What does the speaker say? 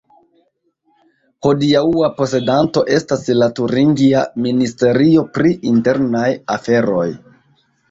Hodiaŭa posedanto estas la turingia ministerio pri internaj aferoj.